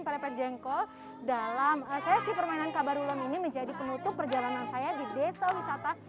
perempet jengkol dalam sesi permainan kabarule ini menjadi penutup perjalanan saya di desa wisata